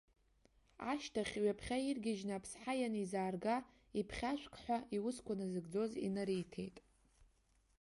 Ашьҭахь ҩаԥхьа иргьежьны аԥсҳа ианизаарга, иԥхьашәк ҳәа, иусқәа назыгӡоз инариҭеит.